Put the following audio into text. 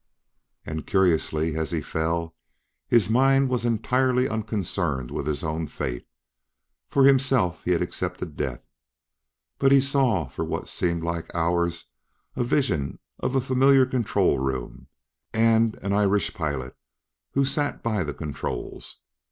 And, curiously, as he fell, his mind was entirely unconcerned with his own fate. For himself, he had accepted death. But he saw for what seemed like hours a vision of a familiar control room and an Irish pilot who sat by the controls.